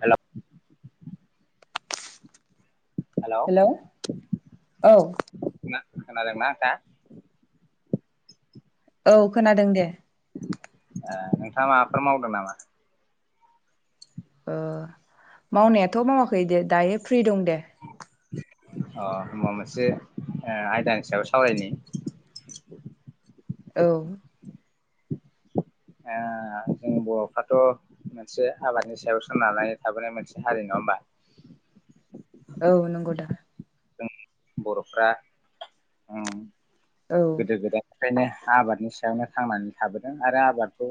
हेल hello [inaudible] औ खोनादोंना नोंथांआ? औ खोनादों दे। ओ नोंथाङा माबाफोर मावदों नामा? ओ मावनायाथ मावाखै दे दायो फ्रि दं दे अ होमबा मोनसे ओ आयदानि सायाव सावरायनि [inaudible] औ ओ जों बरफ्राथ मोनसे आबादनि सायाव सोनारनाय थाबोनाय मोनसे हारि नङा होमबा औ नंगौदा जों बरफ्रा उम औ गोदो गोदाय बेखायनो आबादनि सायावनो थांनानै थाबोदों आरो आबादखौ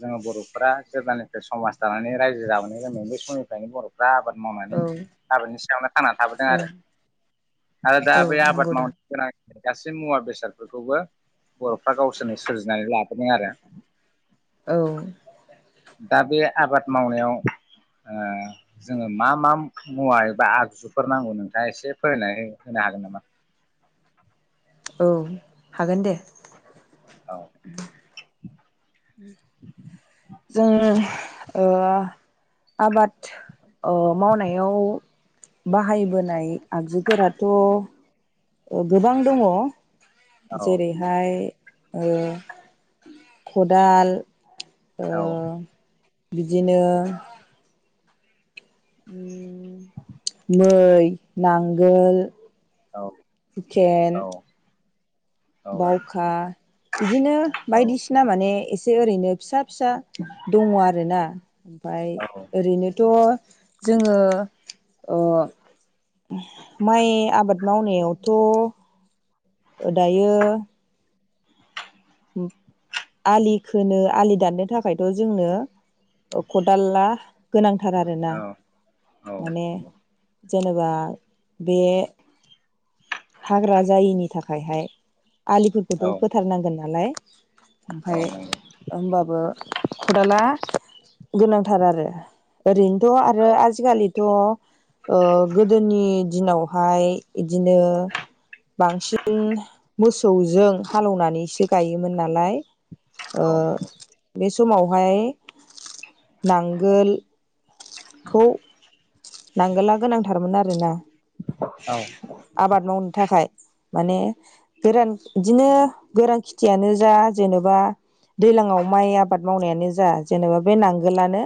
जोङो बरफोरा जेब्लानिफ्राय समाज दानानै रायजो जाबोनाय जादों बै समनिफ्रायनो बर बा आबाद औ मावनानै आबादनि सायावनो थांनानै थाबोदों औ आरो आरै दा औ बे आबाद नंगौ दा मावनाय गासै मुवा बेसादफोरखौबो बरफ्रा गावसोरनो सोरजिनानै लाबोदों आरो औ दा बे आबाद मावनायाव ओ जोङो मा मा मुवा एबा आगजुफोर नांगौ नोंथाङा एसे फोरायना हो होनो हागोन नामा? औ हागोन दे औ [inaudible] जों ओ आबाद अ मावनायाव बाहायबोनाय आगजुफोराथ गोबां दङ। औ जेरैहाय ओ खदाल ओ औ बिदिनो मै नांगोल औ हुखेन औ बावखा बिदिनो औ बायदिसिना माने एसे ओरैनो फिसा फिसा दङ आरोना ओमफाय औ ओरैनोथ जोङो ओ माइ आबाद मावनायावथ दायो उ आलि खोनो आलि दाननो थाखायथ जोंनो खदालला गोनांथार आरोना औ माने जेनेबा बे हाग्रा जायिनि थाखायहाय आलिफोरखौथ' फोथारनांगोन नालाय ओमफफ्राय नंगौ होनबाबो खदाला गोनांथार आरो ओरैनोथ औ आरो आजिखालि थ ओ गोदोनि दिनावहाय बिदिनो बांसिन मोसौजों हालौनानैसो गायोमोन नालाय ओ औ बे समावहाय नांगोलखौ नांगला गोनांथारमोन आरोना औ आबाद मावनो थाखाय माने गोरान बिदिनो गोरान खेथियानो जा जेनेबा दैजलाङाव माइ आबाद मावनायानो जा जेनेबा बे नांगोलानो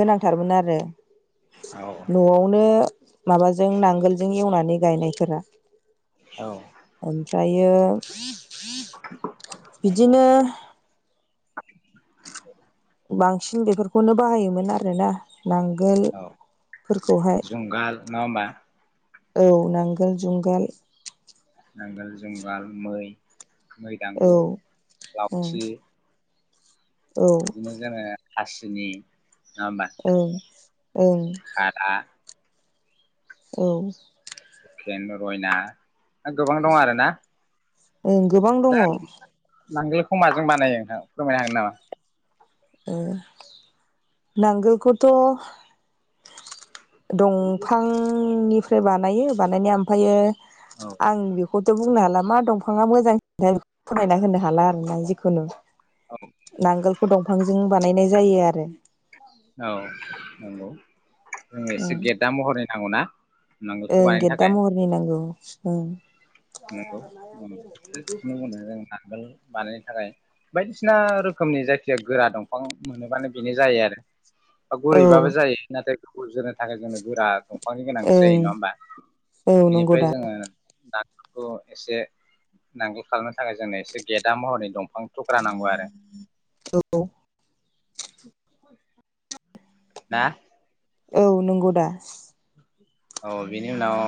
गोनांथारमोन आरो नआवनो माबाजों नांगोलजों एवनानै गायनायफोरा औ ओमफ्रायो [unintelligible] नंगौ बिदिनो [unintelligible] बांसिन बेफोरखौनो बाहायोमोन आरोना औ नांगोलफोरखौहाय जुंगाल नङा होमबा औ नांगोल जुंगाल नांगोल जुंगाल मै मै औ दांगुर ओं लावथि औ बिदिनो जोङो खासिनि नंआमबा ओं ओं खारा औ। हकेन रयना गोबां दं आरो ना ओं गोबां दङ। दा नांगोलखौ माजों बानायो नों फोरमायनो हागोन नामा। नांगोलखौथ दंफांनिफ्राय बानायो बानायनाया ओमफ्रायो औ आं बेखौथ बुंनो हाला मा दंफाङा मोजांसिन बे फोरमायना होनो हाला आरोना जिखुनु औ नांगोलखौ दंफांजों बानायनाय जायो आरो औ नंगौ जों एसे ओं गेदा महरै नांगौना? नांगोलखौ ओं बानायनो गेददा थाखाय महरनि नांगौ ओं नंगौ गासिखौनो बुंङो जों नांगोल बानायनो थाखाय बायदिसिना रोखोमनि जायखिजाया गोरा दंफां मोनोबानो बेनो जायो आरो। औ गुरैबाबो जायो नाथाय गुर जोनो थाखाय जोंनो गोरा दं दौफांनि गोनांथि जायो ओं नङा होमबा? औ नंगौ बिनिफ्राय दा जोङो नांगोलखौ इसे नांगोल खालामनो थाखाय जोंनो एसे गेदा महरनि दंफां थुख्रा नांगौ आरो। औ। ना? औ नंगौ दा। औ बिनि उनाव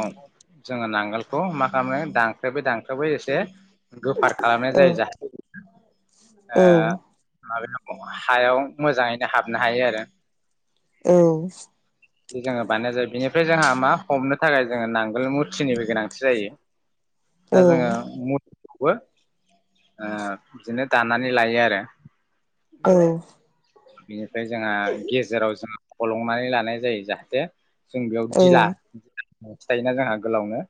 जोङो नांगोलखौ मा खालामो दानख्रेबै दानख्रेबै एसे गोफार औ खालामनाय जायो [unintelligible] औ ओ माब हायाव मोजाङैनो हाबनो हायो आरो। औ। बि जोङो बानायनाय जायो बिनिफ्राय जोंहा मा हमनो थाखाय जोङो नांगोल मुथिनिबो गोनांथि जायो। दा औ जोंङो मु खौबोओ बिदिनो दानानै लायो आरो। औ। बेनिफ्राय जोंहा गेजेराव जों फलंनानै लानाय जायो जाहाथे जों। बेयाव औ ओं दिला थाइोना जोंहा गोलावनो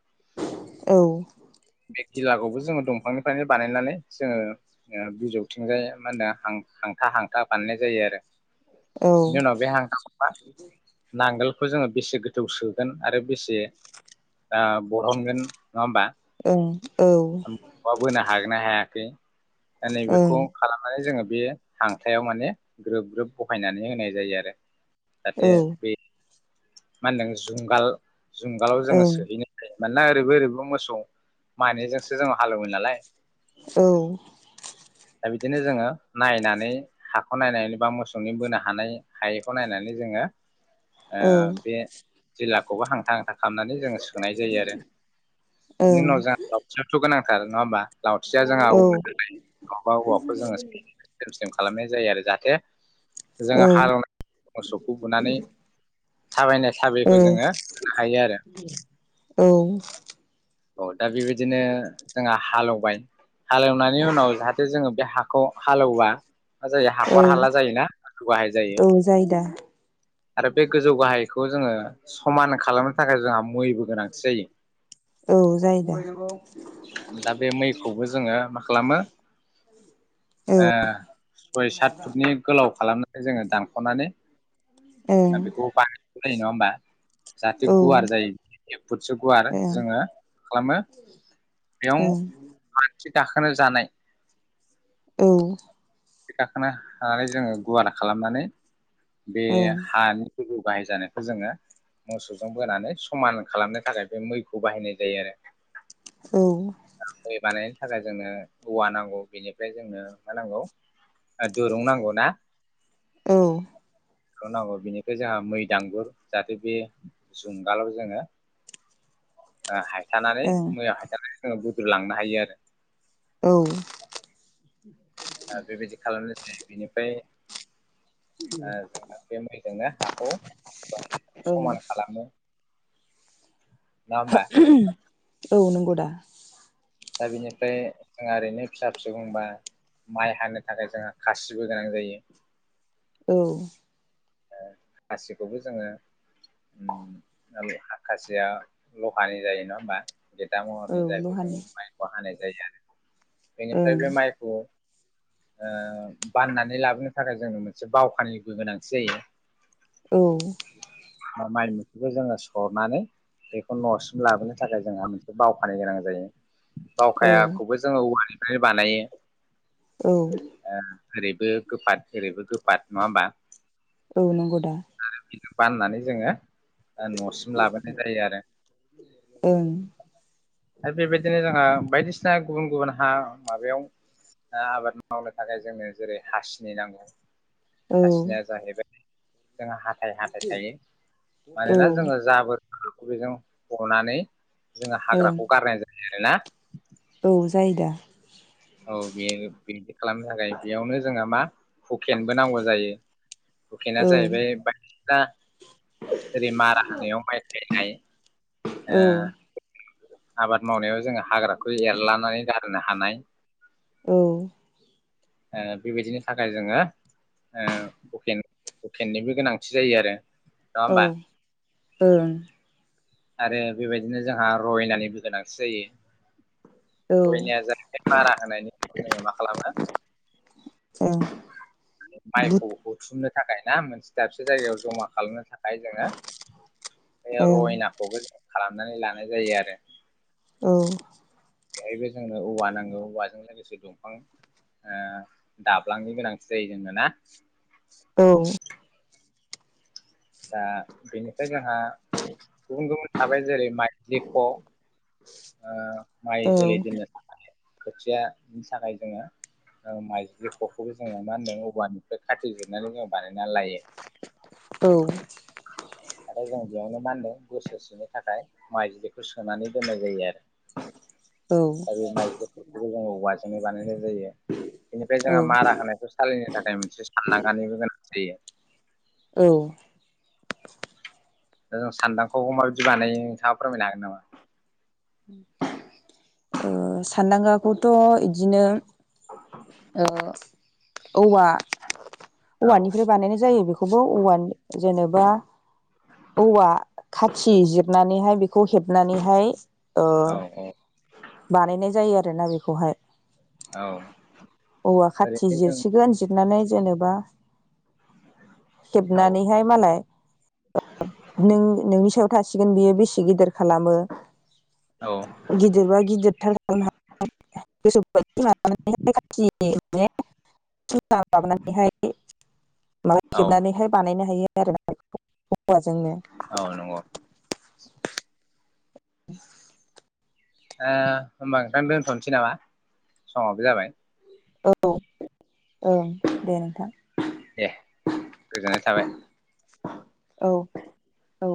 औ। बे गिलाखौबो जोङो दंफांनिफ्रायनो बानायनानै जोङो ओ बिजौथिंजाय मा होनदो हां हांथा हांथा बानायनाय जायो आरो। ओं बिनि उनाव बे हांथाखौ मा नांगोलखौ जोङो बेसे गोथां थौ सोगोन आरो बेसे बरहनगोन नङा होमबा औ ओं औ [unintelligible] बोनो हागोन ना हायाखै दा ओं औ नैबेखौ खालामनानै जोङो बे हांथायाव माने ग्रोब ग्रोब बहायनानै होनाय जायो आरो। जाहाथे बे मा होनदों जुंगाल जुंगालाव जोङो सोहैनो हायो। मानोना ओरैबो ओरैबो मोसौ मानैजोंसो जों हालेवो नालाय औ दा बिदिनो जोङो नायनानै हाखौ नायनानै बा मोसौनि बोनो हानाय हायैखौ नायनानै जोङो। [inaudible] औ बे जिल्लाखौबो हांथा हांथा खालामनानै जोङो सोनाय जायो आरो बिनि उनाव जों लावथियाथ' गोनांथार नङा होमबा? लावथिया जोंहा [unintelligible] औवाखौ जोङो स्लिम स्लिम खालामनाय जायो आरो जाहाथे ते जोङो हालेनाय मोसौखौ बुनानै स थाबायनाय साबिखौ जोङो हायो आरो औ दा बेबायदिनो जोंहा हालेवबाय हालेवनायनि उनाव जाहाथे जोङो बे हाखौ हालेवबा मा जायो औ हाखर हाला जायोना गोजौ गाहाय जायो औ जायोदा आरो बे गोजौ गाहायखौ जोङो समान खालामनो थाखाय जोंहा। मैबो गोनांथि जायो। औ जायोदां दा बे मैखौबो जोङो मा खालामो औ ओं ओ सय सात फुटनि गोलाव खालामो। जोङो दानख'नानै औ बेखौ बानानाय जायो नङा होमबा जाहाथे गुवार ओं जायो एक फुटसो गुवार ओं जोङो खालामो। बेयाव औ आन्थि गाखोनो जानाय ‌ औ। गाखोनो हानानै जोङो गुवारा खालामनानै बे हानि गलु बाहाय जानायखौ जोङो मोसौजों बोनानै समान खालामनो थाखाय बे मैखौ बाहायनाय जायो आरो औ बे बानायनो थाखाय जोंनो औवा नांगौ बेनिफ्राय जोंनो मा नांगौ दुरुं नांगौ ना औ बेखौ नांगौ बेनिफ्राय जोंहा मै दांगुर जाहाथे बे जुंगालाव जोङो हायथानानै ओं मैयाव हायथानानै जोङो बुद्रु लांनो हायो आरो औ बेबायदि खालामनाय जायो बेनिफ्राय जोंहा बे मै जोंनो हाखौ बाय ओं समान खालामो नङा होमबा औ नंगौ दा दा बिनिफ्राय जोंहा ओरैनो फिसा फिसौ बुंबा माइ हानो थाखाय जोंहा खासिबो गोनां जायो औ खासिखौबो जोङो हाखासेया लहानि जायो नङा होमबा गेदा औ महरनि जायखौ जों लहानि माइखौ हानाय जायो आरो बेनिफ्राय ओं बे माइखौ बाननानै लाबोनो थाखाय जोंनो मोनसे बावखानिबो गोनांथि जायो औ माइ मोख्रिखौ जोङो सरनानै बेखौ न'सिम लाबोनो थाखाय जोंहा मोनसे बावखानो गोनां जायो औ बावखायाखौबो जोङो औवालनानै बानायो औ ओ ओरैबो गोफाद ओरैबो गोफाद नङा होमबा औ नंगौ दा बाननानै जोङो न'सिम लाबोनाय जायो आरो ओं आरो बेबायदिनो जोंहा बायदिसिना गुबुन गुबुन हा माबायाव आबाद माव मावनो थाखाय जोंनो जेरै हासिनि नांगौ औ बेबायदि जोंङो हाथाय हाथाय थायो औ मानोना जोङो जाबोर बेजों हनानै जोङो ओं हाग्राखौ गारनाय जायो आरोना औ जायो दा औ बे बिनिदि खालामनो थाखाय बेयावनो जोंहा मा हुकेनबो नांगौ जायो हुखेना औ जाहैबाय बायखोन्दा जेरै मारा हानायायाव माइ गायनाय औ आबाद मावनायाव जोङो हाग्राखौ एरलानानै गारो हानाय औ। बेबायदिनि थाखाय जोङो हुकेन हुकेननिबो गोनांथि जायो आरो नङा औ होमबा ओं। आरो बेबायदिनो जोंहा रहनानैबो गोनांथि औ जायो। रयया जाहै मारा होनायनि उनाव जोङो मा खालामो। ओं माइखौ बुद बुथुमनो थाखाय ना मोनसे। दाबसे जायगायाव जमा खालामनो थाखाय जोङो बे ओं रयनाखौबो जों खालामनानै लानाय जायो आरो। औ। बेहायबो जोंनो औवा नांगौ औवाजों लोगोसे दंफां। ओ दाब्लांनो गोनांथि जायो जोंनो ना? औ दा बेनिफ्राय जोंहा गुबुन गुबुन थाबाय जेरै माइ लेख' ओ माइ औ जोलै दोननो खोथियानि थाखाय जोङो ओ माइजलि खखौबो जोङो मा होनदों औवानिफ्राय खाथि जिरनानै जों बानाय नालायो औ [unintelligible] आरो जों बेयावनो मा होनदों बोसोर सेनि थाखाय माइज्लिखौ सोनानै दोननाय जायो आरो औ दा बे माइजफोरखौबो जों औवाजों बानायनाय जायो। बेनिफ्राय जोंहा मारा होनायखौ सालिनो थाखाय मोनसे साननाांगनानैबो गोनां जायो। औ दा जों सान्दांखौ हार बिदि बानाय नोंथाङा फोरमायनो हागोन नामा सानदांगाखौथ' बिदिनो औव औ औवानिफ्राय बानायनाय जायो बेखौ खौबो औवानि जेनेबा औवा खाथि जिरनानैहाय बेखौ हेबनानैहाय ओ औ औ बानायनाय जायो आरोना बेखौहाय औ औवा खाथि ओरैनो जों जिरसिगोन जिरनानै जेनेबा औ हेबनानैहाय मालाय नों नोंनि सायाव थासिगोन बियो बेसे गिदिर खालामो औ गिज बा गिज थार जिना लाानानैहाय माबा औ खेबनानैहाय बानायनो हायो आरो नाखौ हौवाजोंनो औ नंगौ [inaudible] ए होमबा नोंथां दोनथ'नोसै नामा समावबो जाबाय? औ ओं दे नोंथां। दे गोजोननाय थाबाय। औ औ